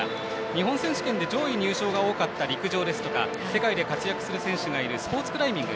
日本選手権で上位入賞が多かった陸上ですとか世界で活躍する選手がいるスポーツクライミング